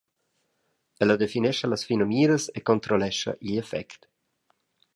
Ella definescha las finamiras e controllescha igl effect.